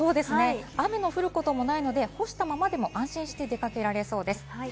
雨の降ることもないので、干したままでも安心して出かけられそうです。